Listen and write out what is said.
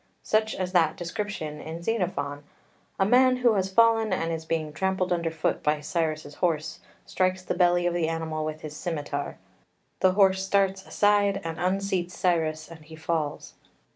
Such is that description in Xenophon: "A man who has fallen, and is being trampled under foot by Cyrus's horse, strikes the belly of the animal with his scimitar; the horse starts aside and unseats Cyrus, and he falls."